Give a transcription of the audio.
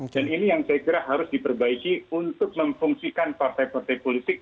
dan ini yang saya kira harus diperbaiki untuk memfungsikan partai partai politik